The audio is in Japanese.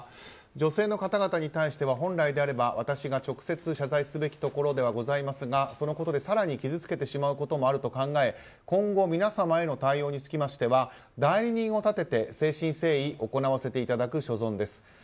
女性の方々に対しては本来であれば私が直接謝罪をすべきところではございますがそのことで更に傷つけてしまうこともあると考え今後の皆様への対応につきましては代理人を立てて誠心誠意行わせていただく所存です。